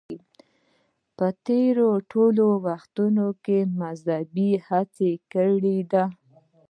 په تېرو ټولو وختونو کې مذهبيونو هڅه کړې ده.